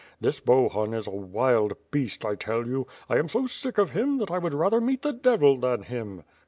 This Bohun is a wild beast I tell you; 1 am so sick of him that I would rather meet the devil than him."